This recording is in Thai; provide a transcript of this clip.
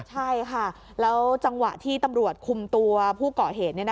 ใช่ค่ะแล้วจังหวะที่ตำรวจคุมตัวผู้ก่อเหตุ